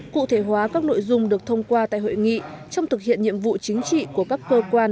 cụ thể hóa các nội dung được thông qua tại hội nghị trong thực hiện nhiệm vụ chính trị của các cơ quan